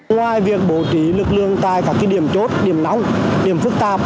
ngoài việc bổ trí lực lượng tại các điểm chốt điểm nóng điểm phức tạp